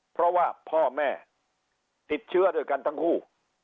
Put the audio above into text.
เพราะว่าพ่อแม่ติดเชื้อด้วยกันทั้งคู่